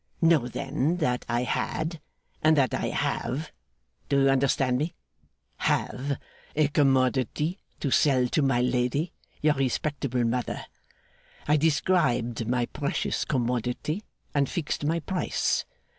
Know then that I had, and that I have do you understand me? have a commodity to sell to my lady your respectable mother. I described my precious commodity, and fixed my price.